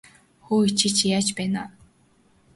Хөөе чи чинь яаж байна аа?